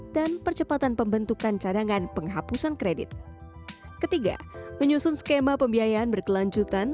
dan percepatan pembentukan cadangan penghapusan kredit ketiga menyusun skema pembiayaan berkelanjutan